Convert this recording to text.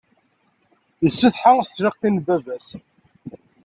Yessetḥa s tleqqi n baba-s.